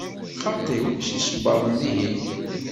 Xaṭi, ulac isebbaḍen dihin.